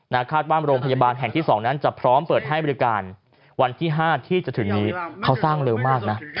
คาดว่าโรงพยาบาลแห่งที่๒นั้นจะพร้อมเปิดให้บริการวันที่๕ที่จะถึงนี้เขาสร้างเร็วมากนะ